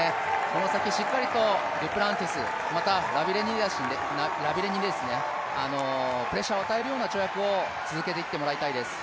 この先、しっかりとデュプランティス、ラビレニにプレッシャーを与えるような跳躍を続けていってもらいたいです。